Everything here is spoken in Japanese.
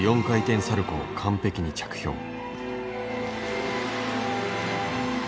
４回転サルコーを完璧に着氷。